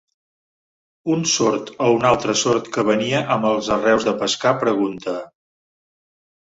Un sord a un altre sord que venia amb els arreus de pescar, pregunta: